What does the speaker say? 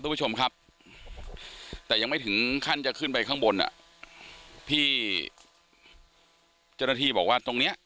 คุณผู้ชมครับแต่ยังไม่ถึงขั้นจะขึ้นไปข้างบนอ่ะพี่เจ้าหน้าที่บอกว่าตรงเนี้ย